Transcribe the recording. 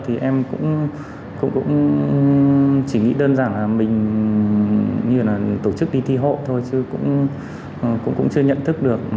thì em cũng chỉ nghĩ đơn giản là mình như là tổ chức đi thi hộ thôi chứ cũng chưa nhận thức được